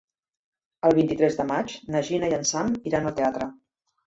El vint-i-tres de maig na Gina i en Sam iran al teatre.